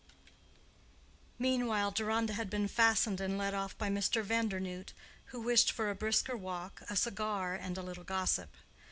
Meanwhile Deronda had been fastened and led off by Mr. Vandernoodt, who wished for a brisker walk, a cigar, and a little gossip.